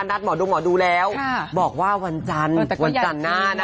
นัดหมอดุหมอดูแล้วบอกว่าวันจันทร์